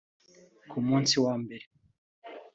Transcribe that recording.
Ku munsi wa mbere